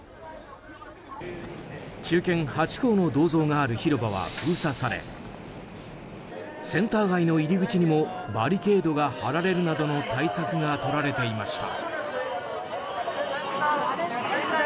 忠犬ハチ公の銅像がある広場は閉鎖されセンター街の入り口にもバリケードが張られるなどの対策がとられていました。